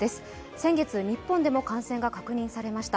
先月、日本でも感染が確認されました。